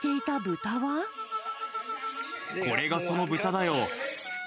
これがその豚だよ。